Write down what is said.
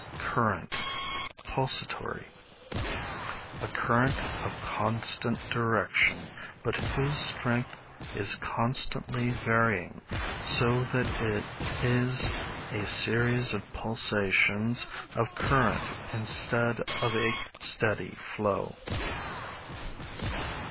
Current, Pulsatory. A current of constant direction, but whose strength is constantly varying, so that it is a series of pulsations of current instead of a steady flow.